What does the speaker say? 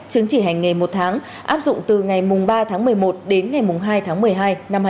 chứng chỉ hành nghề một tháng áp dụng từ ngày ba tháng một mươi một đến ngày hai tháng một mươi hai năm hai nghìn hai mươi